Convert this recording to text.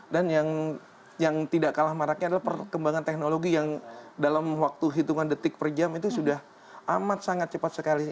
dan yang tidak kalah maraknya adalah perkembangan teknologi yang dalam waktu hitungan detik per jam itu sudah amat sangat cepat sekali